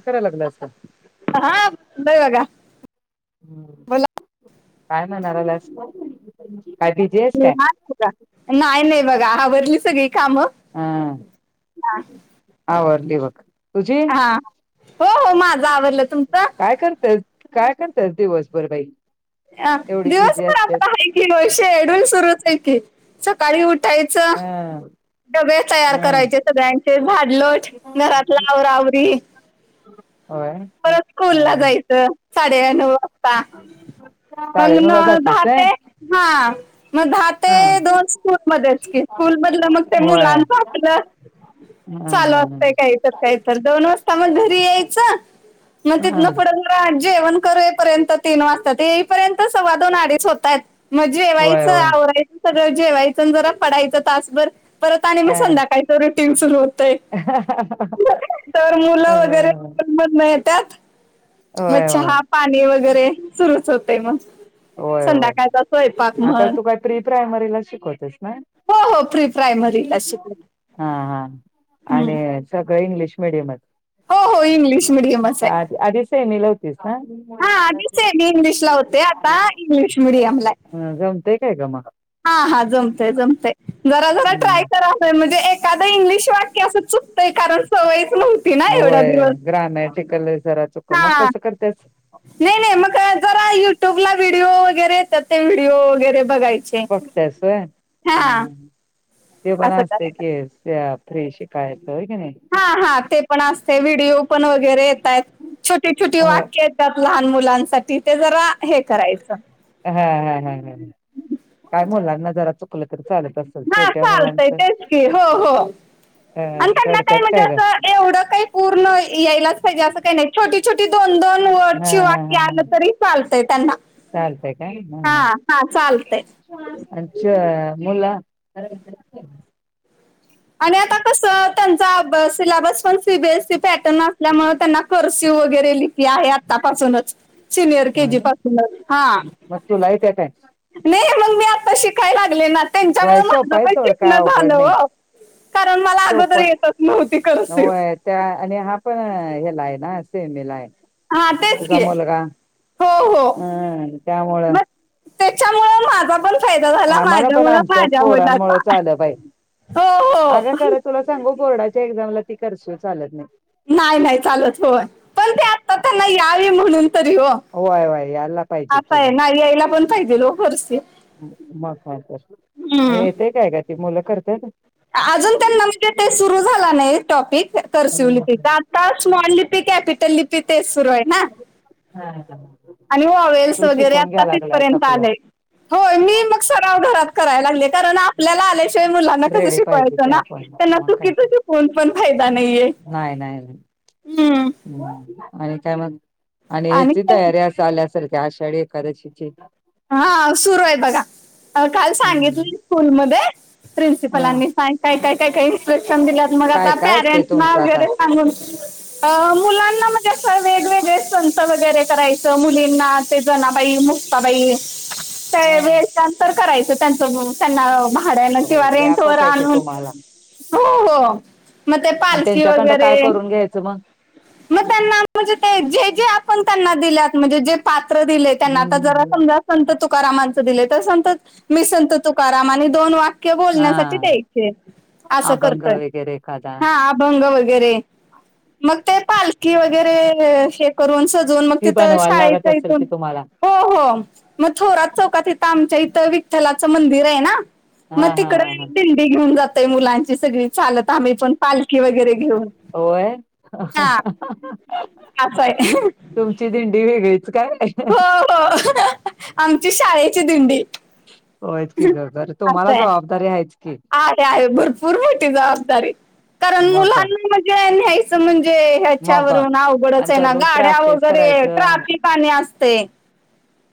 कराय लागलोय असं. हा बघा. हम्म, बोला काय नाराज हाईस. [unintelligible] नाही नाही बघा, आवररली सगळी कामं. हा आवरली बघ, तुझी? हा हा. हो हो माझ आवरलं तुमचं काय करतेस, काय करत्यास दिवसभर बाई? आ एवढी बिझी दिवसभर असतेस आपलं हे की ओ, शेड्युल सुरूच हाय की. सकाळी उठायचं, हा डबे तयार हा करायचे सगळ्यां ते झाडलोट, घरातला आवरा आवरी. होय. परत हा स्कूलला जायचं, साडेआठ वाजता. मग ना साडेनऊला जातेस दहा व्हय ते हा. मग दहा हा ते दोन स्कूलमध्येच की, स्कूल मधलं मग ते होय मुलांचं आपलं हा चालू हा हा असते कायतर कायतर. दोन वाजता मग घरी यायचं, मग हा तिथनं पुढं [unintelligible] जेवण करेपर्यंत तीन वाजतात. येईपर्यंत सव्वा दोन अडीच होताहेत. मग होय जेवायचं, होय आवरायचं सगळं जेवायचं आन जरा पडायचं तासभर. परत आणि मग अ संध्याकाळीच रुटीन सुरू होतंय. अ. म येत्यात, मग होय होय चहा पाणी वगैरे सुरूच होतेय मग. होय होय, संध्याकाळचा स्वयंपाक आता म्हण तू काय प्री प्रायमरीला शिकवतेस ना? हो हो, प्री प्रायमरीलाच शिकव हा हा आणि सगळं इंग्लिश मिडियमच? हो हो, इंग्लिश मीडियमच. आध आधी सेमीला होतीस ना? हा आधीच सेमी इंग्लिशला होते, आता इंग्लिश मिडियमला हाय. जमतय काय ग मग? हा हा जमतंय जमतंय. जरा जरा ट्राय हं करायलोय म्हणजे एखादं इंग्लिश वाक्य असं चुकतंय, कारण सवयच नव्हती ना एवढ्या होय दिवस. ग्रामॅटिकल जरा चुक मग हा कसं करतेस? नाही नाही, मग काय जरा युट्यूबला व्हिडिओ वगैरे येतात, ते व्हिडिओ वगैरे बघायचे. बघत्यास होय, हा ते बर असं असतंय करायला की [unintelligible] ते शिकायचं होय का नाही. हा हा ते पण असतंय. व्हिडिओपण वगैरे येतायत. छोटी छोटी हो वाक्य त्यात लहान मुलांसाठी, ते जरा हे करायचं. हा हा हा हा, काय मुलांना जरा चुकलं तरी चालत अस- हा चालतंय, तेच की हो हो अ आणि त्यांना काय रडत्यात म्हणजे ग? असं एवढं काही पूर्ण यायलाच पाहिजे, असं काही नाही. छोटी छोटी दोन दोन हा वरची वाक्य आलं तरी चालतंय त्यांना. चालतंय काय? हा हा, चालतंय. अच्छा मुला आणि आता कसं त्यांचा सिलेबस पण सीबीएसई पॅटर्न असल्यामुळं त्यांना कर्स्यू वगैरे आहे आतापासूनच. सिनियर होय केजी पासूनच हा. मग तुला येत्या काय? नाही मग मी आता शिकाय लागले ना. होय त्यांच्यामुळं सोपा म्हटलं आहे पण सोड शिकण काय अवघड झालं नाही हो. कारण मला सोप अगोदर येतच नव्हती कर्सिव. होय त्या आणि हा पण हेला आहे ना, सेमीला हाय. हा तेच तुझा की मुलगा, हो हं त्यामुळं. तेच्यामुळे माझा पण फायदा झाला, आम्हाला पण माझ्यामुळं आमच्या माझ्या पोरांमुळे मुलाचा, चालं बाई हो अगं हो. खरं तुला सांगू, बोर्डाच्या एक्झामला ती करशू चालत नाहीत. न्हाय न्हाय चालत होय, पण ते आता त्यांना यावी म्हणून तरी हो. होय होय यायला पाहिजे असं कि आहे ग ना, यायला पण पाहिजे लोक करसी. मग काय तर मग येतय काय का ती मुलं करतेत. अजून पण म्हणजे ते सुरू झाला नाही टॉपिक करसिव लिपी आता स्मॉल लिपी, कॅपिटल लिपी तेच सुरु आहे ना. हा का. आणि वावेल्स वगैरे आता तिथपर्यंत आपलं आलेय. होय, मी मग सराव घरात कराय लागले, कारण आपल्या आल्या ते मुलांना कसं रेडी पाहिजे शिकवायचं की ना, आपण त्यांना चुकीचं शिकवून पण फायदा नाहीये. न्हाय न्हाय. हम्म. आणि काय मग आणि ह्याची तयारी अस आल्यासारखी आषाढी एखकादशीची. हा सुरू आहे बघा काल हम्म सांगितलं स्कूलमध्ये ह प्रिन्सिपलांनी काय काय काय काय काय इन्स्ट्रक्शन दिल्यात मग काय आता काय असते पॅरेंट्सना तुमचं आता वगैरे सांगून अ मुलांना म्हणजे असं वेगवेगळे संत वगैरे करायचं मुलींना ते जनाबाई मु ता बाई हा त्यावेळेस आन्सर करायचं त्यांच म त्यांना महा भाड्याना किवा रेंट वर व्यापच आहे की आणून तुम्हाला हो हो. म ते आणि पालखी त्यांच्याकडं काय वगैरे करून घ्यायचं मग मग त्यांना म्हणजे ते जे जे आपण त्यांना दिल्यात म्हणजे जे पात्र दिले त्यांना आता जरा हम्म समजा संत तुकारामांच दिले तर संत मी संत तुकारामनी आणि दोन वा क्य हा बोलणंसाठी द्यायचे असं अभंग करतंय वगैरे एखादा हा आ भंग वगैरे मग ते पालखी वगैरे शे करून सजवून मग ती तिथं बनवायला लागत शाळेचा असेल इथून की तुम्हाला हो हो मग थोरात चौकात इथं आमच्या इथं विठ्ठलाचं मंदिर आहे ना मग हा हा तिकड हा हा दिंडी घेऊन जातय मुलांची सगळी चालत आम्ही पण पालखी वगैरे घेऊन होय हा. असं आहे. तुमची दिंडी वेगळीच काय? हो हो आमची शाळेची दिंडी. होयेतं ती की गर दर तुम्हाला जबाबदारी आहेच की आहे-आहे भरपूर मोठी जबाबदारी कारण मग मुलांना म्हणजे न्यायचं म्हणजे मग ह्याच्यावरून अवघडच आणि आहे ना दररोज गाड्या प्रॅक्टिस वगैरे करायचं ट्राफिक आणि असते.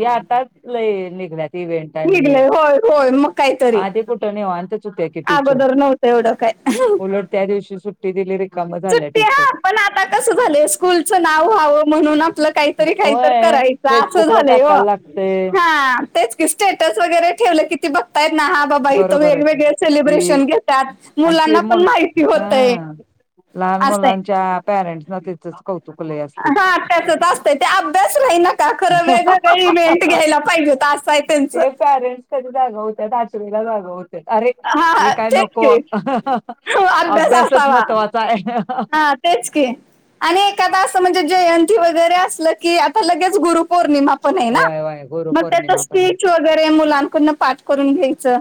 या आता लई निघल्या इवेंट आणि हे निघले होय होय मग काहीतरी आदी कुठे निवांतच होत्या के टीचर अगोदर नव्हतं एवढं काय उलट त्या दिवशी सुट्टी दिली रिकामं झालं टीचर. सुट्ट्या पण आता कस झालं स्कूलचं नाव व्हावं म्हणून आ पलं काहीतरी काहीतर होय करायच असं फेसबुकला झालंय हो टाकायला लागतय हा. तेच की स्टेटस वगैरे ठेवलं किती बघताय ना हा गं बाई तर बरोबर आहे की वेगवेगळेच ही सेलिब्रेशन घेतात आणि ते मुलांना पण मुल माहिती होतय. अं लहान मुलांच्या पॅरेंट्सना त्याचच कौतुकले लई असते. त्यातच असतं ते अभ्यास नाही नका खरं वेगवेगळे इव्हेंट घ्यायला पाहिजेत असं आहे त्यांचं. ते पॅरेंट्स कधी जागा होतय आचलेला जागा होते अरे हे हा काय तेच नको की अभ्यास अभ्यासच असावा महत्वाचा आहे. हा तेच की आणि एखादा असं म्हणजे जयंती वगैरे असलं की आता लगेच गुरुपौर्णिमा पण ना आहे व्हय व्हय म त्याचा गुरुपौर्णिमा पण स्टीच वगैरे मुलांकडून पाठ करून घ्यायचं.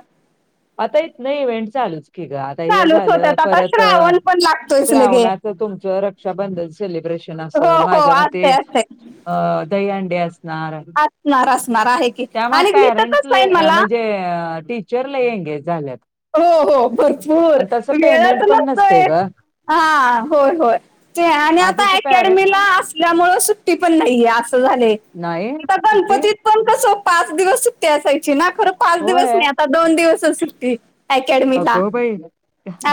आता इथनं ही इव्हेंट चालूच की गं आ आता हे चालूच झालं होत्यात आता परत श्रावण पण लागतोयच लगे श्रावणाचं तुमचा रक्षाबंधन सेलिब्रेशन हो असेल हो माझ्या मते असतय असतय अ दही अंडे असणार. नार असणार आहे. की त्यामुळे आणि इथं पॅरेंट्स कसं लई आहे मला म्हणजे टीचर लई एंगेज झाल्यात. हो हो भरपूर आणि तसं पेमेंट वेळच पण नसतय. ग हा होय होय ते आणि आता आधीचे पॅरेंट अकॅडमीला असल्यामुळे सु [unintelligible] पण नाहीये अस झालंय. नाही आता सुट्टी गणपतीत पण कसं पाच दिवस सुट्ट असायची ना, खरं पाच दिवस होय नाही आता दोन दिवसच सुट्टी. अकॅडमीला अगं बाई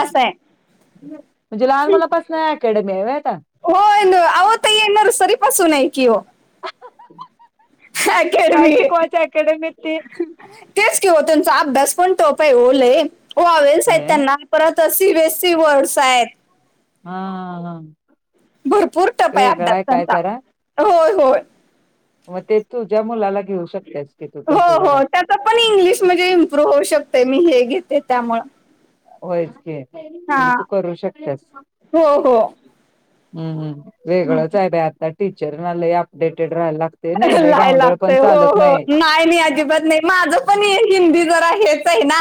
असं आहे. लहान मुलापासनं अकॅडमी आहे व्हय आता? होय आन अहो ताई नर्सरीपासून आहे की ओ. काय अकॅडमी. चीकवायच्या अकॅडमीत ती? तेच की हो तोनचा अभ्यास पण टफ हाय हो लई वॉवेल्स आहेत होय त्यांना परत तर C B S C words आहेत. हा हा हा. भरपूर टफ आहे अभ्यास त्यांचा जरा होय-होय. मग ते तुझ्या मुलाला घेऊ शकतेस की तू तसं जरा. तो पण इंग्लिश म्हणजे इम्प्रूव्ह होऊ शकतोय मी हे घेते त्यामुळं. होयच की म्हणजे हां. तू करू शकत्यास. हो, हो. हम्म हम्म हं. वेगळंच आहे बाई आता टीचरना लई अपडेटेड राहायला लाग लाय लागतय हो हो नाही मी अजिबात नाही. माझं पण हिंदी जरा हेच आहे ना,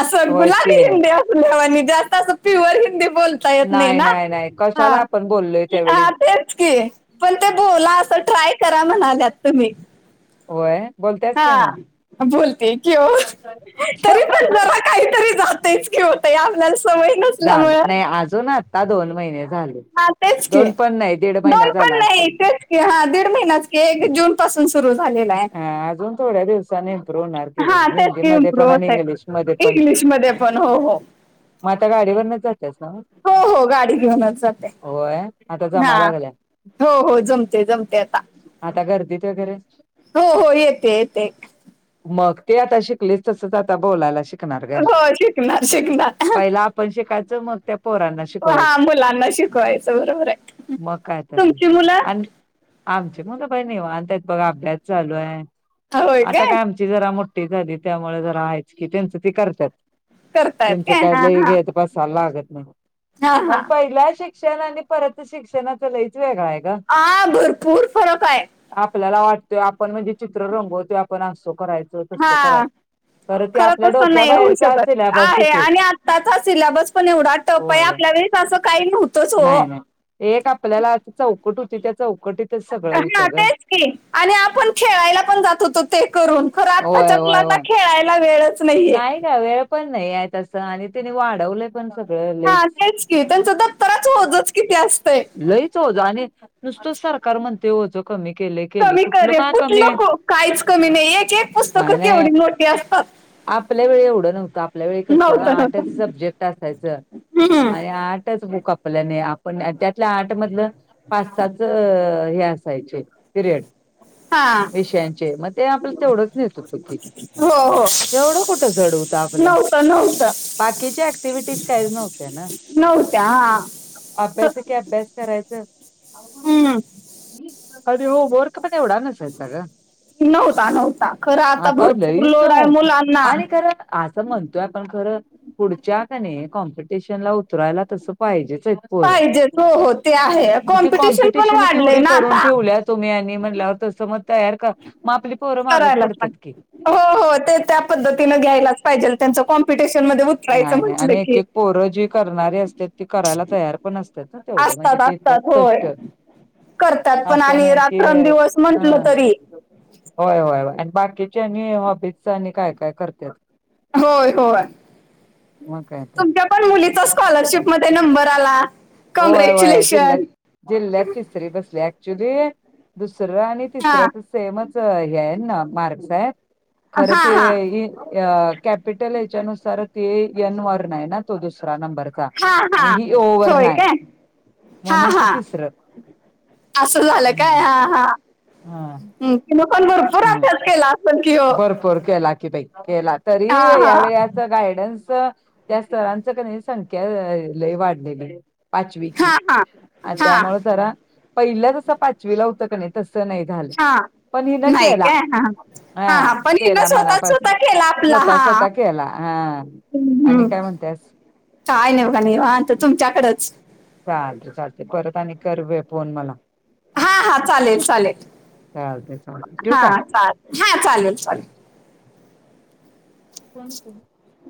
असं होयच [unintelligible] की हिंदी वाांनी जास्त असं प्युअर हिंदी बोलता येत नाही ना नाही हा. कशाला आपण बोललोय त्यावेळी हा तेच, की पण ते बोला असं ट्राय करा म्हणाल होय बोलतायच काय मग हा बोलते कि ओ. तरी पण जरा काहीतरी राहतंयच की ओ ताई आपल्याला सवय जाण नसल्यामुळं नाही अजून आता दोन महिने झालेत. हा तेच की, दोन पण नाही असेल तेच की हा दीड महिनाच की एक जून पासून सुरू झालेला आहे. हा अजून थोड्या दिवसाांनी इम्प्रूव्ह होणार की ग हा तेच की हिंदीमध्ये पण इमप्रूव्ह आणि होतंय. इंग्लिशमध्ये पण इंग्लिशमध्ये पण हो हो. मग आता गाडीवरनच जात्यास नव्हं? हो हो गाडी घेऊनच जात्या. होय? आता हा जमा लागल्या हो हो जमते जमते आता. आता गर्दीत वगैरे? हो हो येते येते. मग ते आता शिकलीस तसंच आता बोलायला शिक. शिकणार ग. हो शिकणार शिकणार पहिलं आपण शिकायच, मग त्या पोरांना हा शिकवायचं मुलांना शिकवायचं बरोबर आहे. मग काय तर नाही तुमची मुलं? आणि आमची मुलं बाय निवांत आहेत बघ. अभ्यास चालू आहे, आता काय आम ची जरा मोठी झाली त्यामुळे जरा हायच की तेंच ती करत्यात. करतायत त्यांचं काय हा लय हा घे बसायला लागत नाही, हा हा पण पहिल्या शिक्षण आणि परतच शिक्षणाच लईच वेगळा आहे. ग हा भरपूर फरक आहे. आपल्याला वाटतोय आपण म्हणजे चित्र रंगवतोय, आपण असं करायचं, तसं कराय खर तसं नाही होऊ शकत सिलॅबस आहे होतोय आणि आताचा सिलॅबस पण एवढा टप आहे होय ब आपल्यावेळेस असं काही नव्हतंच ओ. नाही नाही एक आपल्याला अशी चौकट होती त्या चौकटीत हा तेच की आणि आपण खेळायला पण जात होतो ते करून. खरं होय आत्ताच्या होय मुलांना होय खेळायला वेळच नाहीये. नाही वेळ पण नाही आहे तसं आणि त्यानी वाढवलेत पण सगळं हा लईच तेच की त्यांचं दप्तराच ओझच किती असतंय. लईच ओझं आणि नुसतंच सरकार म्हणतंय ओझ कमी केलंय केल कमी करेल कुठलं काहीच कमी नाही, एक एक पुस्तकं नाही नाही केवढी मोठी असतात. आपल्या वेळी एवढं नव्हतं, आपल्या वेळी कसं नव्हतं नव्हतं आठच सब्जेक्ट असायचं. हम्म. आणि आठच बूक अप आपल्याने आपण त्यातल्या आठ मधलं पाचच हे असायचे पिरियड हा विषयांचे म ते आपलं तेवढंच न्हेत होती की. हो हो. एवढं कुठं जड होतं आपलं? नव्हतं नव्हतं बाकीच्या ऍक्टिव्हटीज काहीच नव्हत्या ना. नव्हत्या हा ख- अभ्यास एके अभ्यास करायच. हम्म. आणि होमवर्क तो काय एवढा नसायचा गं. नव्हता नव्हता. खरं आता भरपूर लईच लोड आहे हो. मुलांना. आणि खरं असं म्हणतोय आपण खरं पुढच्या का नाही कॉम्पिटिशनला उतरायला तसं पाहिजेच पोर पाहिजेच हो हो ते आहे ती कॉम्पिटिशन पण कॉम्पिटिशनच वाढलंय एवढे ना करून आता ठेवल्या तुम्ही आणि म्हटलंयावर तसं म तयार कर मा आपली पोरं मागच करायलाच पाडत्यात की. लागतं हो हो ते त्या पद्धतीनं घ्यायलाच पाहिजेल त्यांचं कॉम्पिटिशन मध्ये उतरायचं नाही नाही म्हटलं आणि एक की. एक पोरं जी करणारी असते ती करायला तयार पण असत्यात. असतात असतात होय करतात पण आणि रात्र अन दिवस. हा होय होय आणि बाकीच्या आणि हॉबीचा आणि काय काय करत्यात. होय होय मग काय तर तुमच्या पण मुलीचा स्कॉलरशिप मध्ये नंबर आला होय होय जिल्ह्यात कॉंग्रॅच्युलेशन! जिल्ह्यात तिसरी बसली ऍक्च्युली दुसरं आणि हा तिसऱ्यातचं सेमच हे आहे ना मार्क्स आहेत खरं हा हा ते अ कॅपिटल याच्यानुसार ते एन वरनं आहे ना तो दुसरा नंबर हा हा होय काय? हा म्हणून ती हा तिसरं असं झालं काय हा हा. हा हम्म कि तिने पण भरपूर असभ्याच केला असल कि हो? पोर केला की ताई केला तरी हा हा यावेळी अ सं गायडन्स त्या स्तरांच क नाही संख्या अ लई वाढलेली. पाचवीची हा हा हा त्यामुळे जरा पहिल्या जसं पाचवी ला होतं क नाही तसं नाही झालं हा पण हिला नाही केला. काय हा हा पण हिनं केला स्वतः स्वतः मनापासून केला आपला स्वतः हा स्वतः केला हा. हम्म. आणि हम्म. काय म्हणतेस? काय नाही हो का निवांत तुमच्याकडच. चालत चालते परत आणि करवे फोन मला. हा हा चालेल चालेल चालते चालते ठेवू हा का चा हा चालेल चालेल. कोण कोण